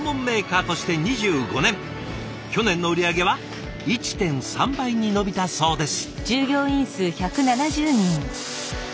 去年の売り上げは１．３倍に伸びたそうです。